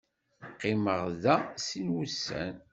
Qqimeɣ da sin wussan.